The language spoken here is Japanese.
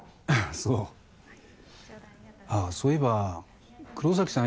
そうあっそういえば黒崎さん